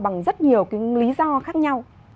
bằng rất nhiều cái lý do khác nhau